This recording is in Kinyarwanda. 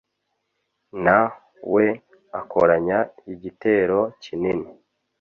na we akoranya igitero kinini